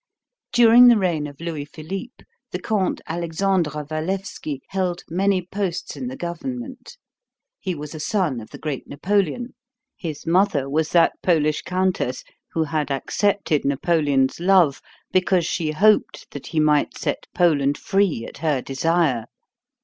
During the reign of Louis Philippe the Comte Alexandre Walewski held many posts in the government. He was a son of the great Napoleon. His mother was that Polish countess who had accepted Napoleon's love because she hoped that he might set Poland free at her desire.